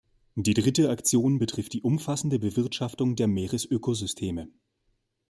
Die dritte Aktion betrifft die umfassende Bewirtschaftung der Meeresökosysteme.